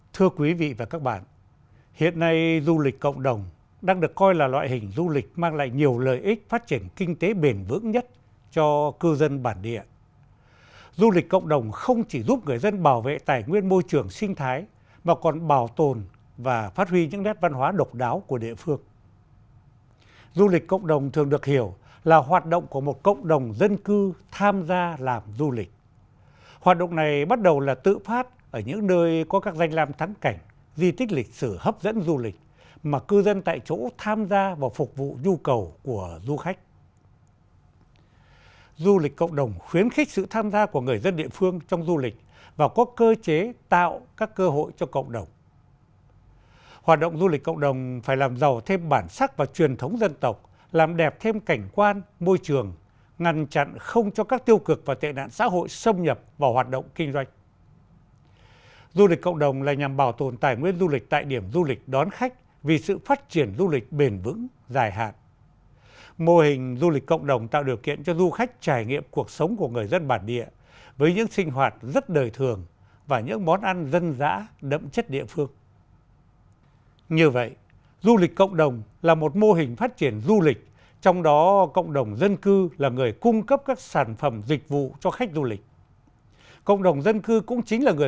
thưa quý vị và các bạn hiện nay du lịch cộng đồng đang được coi là loại hình du lịch mang lại nhiều lợi ích phát triển kinh tế bền vững nhất cho cư dân bản địa